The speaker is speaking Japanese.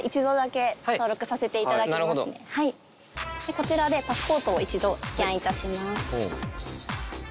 こちらでパスポートを一度スキャンいたします。